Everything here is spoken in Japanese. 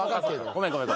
ごめんごめん。